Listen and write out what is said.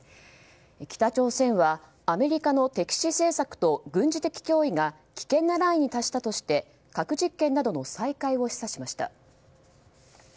北朝鮮はアメリカの敵視政策と軍事的脅威が危険なラインに達したとして核実験の再開を示唆しました。